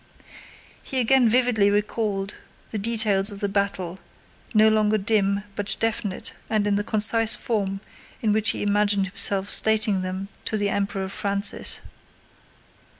He again vividly recalled the details of the battle, no longer dim, but definite and in the concise form in which he imagined himself stating them to the Emperor Francis.